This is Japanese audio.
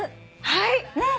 はい！